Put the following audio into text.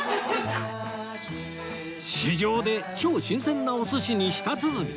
市場で超新鮮なお寿司に舌鼓